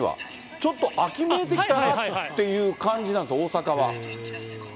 ちょっと秋めいてきたなっていう感じなんですよ、大阪は。